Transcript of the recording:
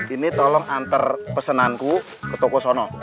ini tolong antar pesananku ke toko sono